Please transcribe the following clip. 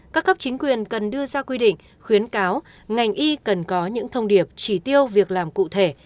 các cấp chính quyền cần đưa ra quy định khuyến cáo ngành y cần có những thông điệp chỉ tiêu việc làm cụ thể